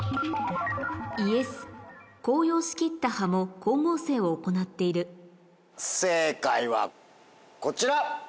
紅葉しきった葉も光合成を行っている正解はこちら！